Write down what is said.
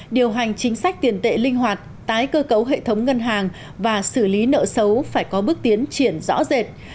điều hành chính sách tiền tệ linh hoạt tái cơ cấu hệ thống ngân hàng và xử lý nợ xấu phải có bước tiến triển rõ rệt